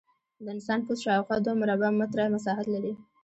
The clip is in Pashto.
د انسان پوست شاوخوا دوه مربع متره مساحت لري.